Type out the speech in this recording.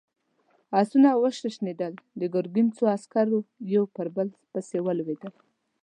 آسونه وشڼېدل، د ګرګين څو عسکر يو په بل پسې ولوېدل.